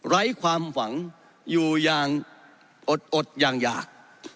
ไร้ความหวังอยู่อย่างอดอย่างยาก